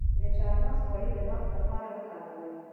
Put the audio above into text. د چارمغز غوړي د مغز لپاره وکاروئ